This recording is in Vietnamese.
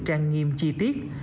trang nghiêm chi tiết